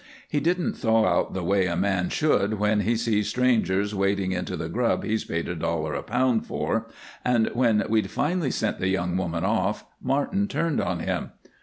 He didn't thaw out the way a man should when he sees strangers wading into the grub he's paid a dollar a pound for, and when we'd finally sent the young woman off Martin turned on him.